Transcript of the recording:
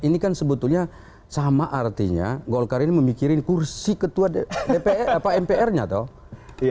ini kan sebetulnya sama artinya golkar ini memikirin kursi ketua mpr nya toh